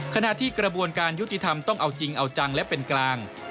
ขณะที่กระบวนการยุติธรรมต้องเอาจริงเอาจังและเป็นกลาง